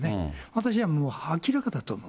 私はもう明らかだと思う。